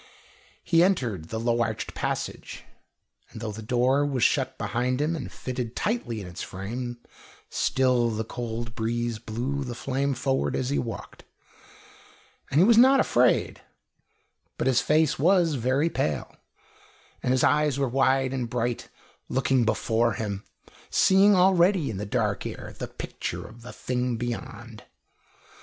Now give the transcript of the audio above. He entered the low arched passage, and though the door was shut behind him and fitted tightly in its frame, still the cold breeze blew the flame forward as he walked. And he was not afraid; but his face was very pale, and his eyes were wide and bright, looking before him, seeing already in the dark air the picture of the thing beyond.